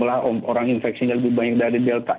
bahkan empat kali jumlah orang infeksinya lebih banyak dari delta